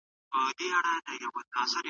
خلع او طلاق باید د شریعت سره مطابقت ولري.